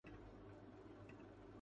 ، وطن کی محبت اور مذہبی عقیدت کے